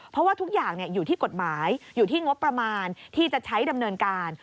เพราะว่าทุกอย่างอยู่ที่กฎหมายอยู่ที่งบประมาณที่จะใช้ดำเนินการ